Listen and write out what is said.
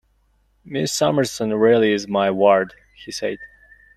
"Miss Summerson really is my ward," he said.